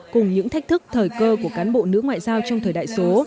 cùng những thách thức thời cơ của cán bộ nữ ngoại giao trong thời đại số